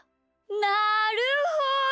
なるほど！